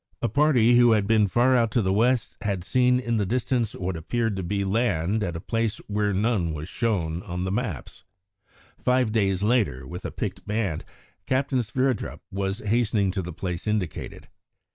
A party who had been far out to the west had seen in the distance what appeared to be land at a place where none was shown on the maps. Five days later, with a picked band, Captain Sverdrup was hastening to the place indicated.